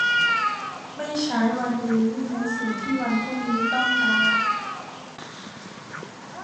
ไม่ใช้วันนี้ในสิ่งที่วันพรุ่งนี้ต้องการ